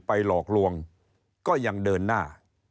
หลอกลวงก็ยังเดินหน้า